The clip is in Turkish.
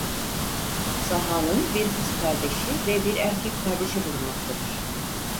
Saha'nın bir kız kardeşi ve bir erkek kardeşi bulunmaktadır.